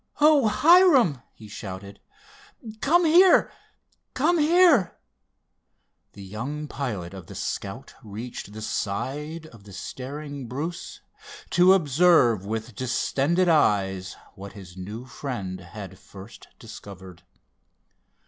"Oh, Hiram!" he shouted. "Come here! Come here!" The young pilot of the Scout reached the side of the staring Bruce to observe with distended eyes what his new friend had first discovered.